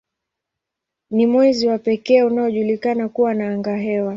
Ni mwezi wa pekee unaojulikana kuwa na angahewa.